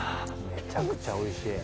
めちゃくちゃおいしい。